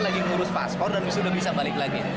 lagi ngurus paspor dan sudah bisa balik lagi